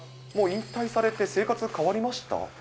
もう引退されて、生活変わりました？